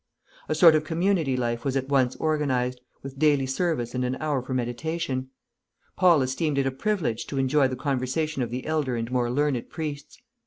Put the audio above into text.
A sort of community life was at once organized, with daily service and an hour for meditation. Paul esteemed it a privilege to enjoy the conversation of the elder and more learned priests.